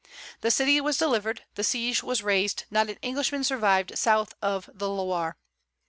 The city was delivered. The siege was raised. Not an Englishman survived south of the Loire.